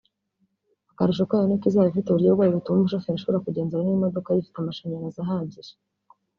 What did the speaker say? Akarusho kayo ni ko izaba ifite uburyo bwayo butuma umushoferi ashobora kugenzura niba imokoka ye ifite amashanyarazi ahagije